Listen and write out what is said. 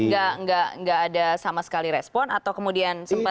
maksudnya gak ada sama sekali respon atau kemudian sempat